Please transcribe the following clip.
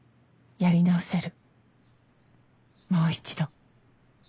やり直せる